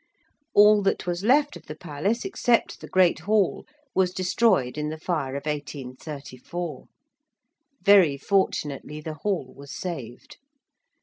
All that was left of the Palace except the Great Hall, was destroyed in the fire of 1834. Very fortunately the Hall was saved.